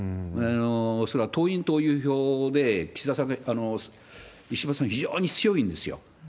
それは党員、党友票で岸田さんが、石破さん、非常に強いんですよ。